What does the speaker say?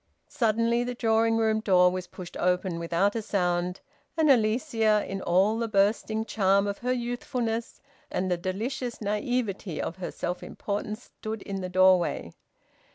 Suddenly the drawing room door was pushed open, without a sound, and Alicia, in all the bursting charm of her youthfulness and the delicious naivete of her self importance, stood in the doorway.